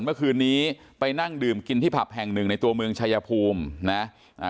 เมื่อคืนนี้ไปนั่งดื่มกินที่ผับแห่งหนึ่งในตัวเมืองชายภูมินะอ่า